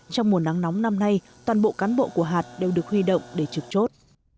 trong mùa nắng nóng năm nay toàn bộ cán bộ của hạt đều được huy động để trực chốt